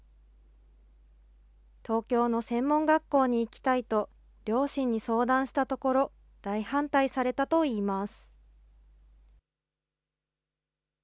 東京の専門学校に行きたいと、両親に相談したところ、大反対されたといいます。